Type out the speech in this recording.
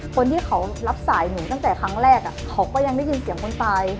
คนที่เขารับสายหนูตั้งแต่ครั้งแรกเขาก็ยังได้ยินเสียงคนตาย